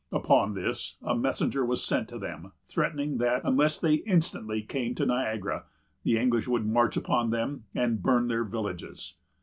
Upon this, a messenger was sent to them, threatening that, unless they instantly came to Niagara, the English would march upon them and burn their villages.